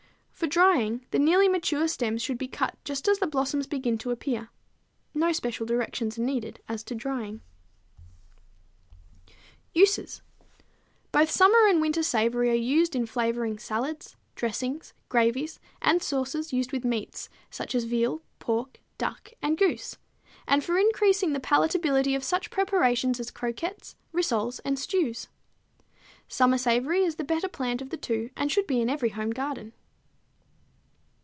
For drying, the nearly mature stems should be cut just as the blossoms begin to appear. No special directions are needed as to drying. (See page 25.) Uses. Both summer and winter savory are used in flavoring salads, dressings, gravies, and sauces used with meats such as veal, pork, duck, and goose and for increasing the palatability of such preparations as croquettes, rissoles and stews. Summer savory is the better plant of the two and should be in every home garden.